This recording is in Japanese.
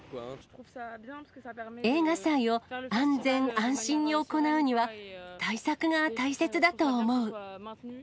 映画祭を安全安心に行うには、対策が大切だと思う。